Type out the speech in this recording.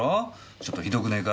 ちょっとひどくねえか？